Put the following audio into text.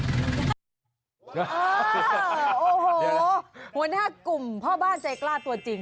โอ้โหหัวหน้ากลุ่มพ่อบ้านใจกล้าตัวจริง